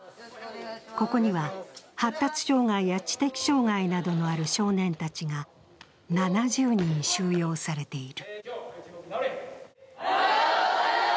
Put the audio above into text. ここには発達障害や知的障害などのある少年たちが７０人収容されている。